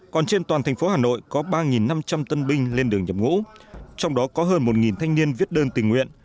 còn trên toàn thành phố hà nội có ba năm trăm linh tân binh lên đường nhập ngũ trong đó có hơn một thanh niên viết đơn tình nguyện